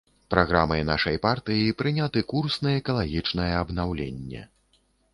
Праграмай нашай партыі прыняты курс на экалагічнае абнаўленне.